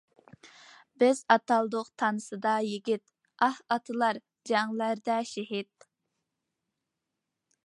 بىز ئاتالدۇق تانسىدا يىگىت، ئاھ، ئاتىلار جەڭلەردە شېھىت.